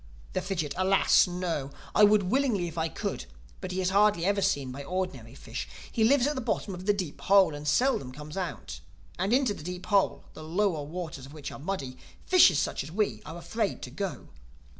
The Fidgit: "Alas! no. I would willingly if I could; but he is hardly ever seen by ordinary fish. He lives at the bottom of the Deep Hole, and seldom comes out—And into the Deep Hole, the lower waters of which are muddy, fishes such as we are afraid to go."